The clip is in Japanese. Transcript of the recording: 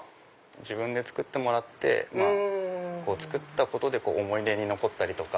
自分で作ってもらって作ったことで思い出に残ったりとか。